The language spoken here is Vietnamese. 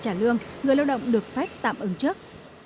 trả lương người lao động được phép tạm ứng trước